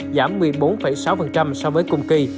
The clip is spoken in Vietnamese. giảm một mươi bốn sáu so với cùng kỳ